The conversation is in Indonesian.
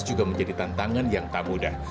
juga menjadi tantangan yang tak mudah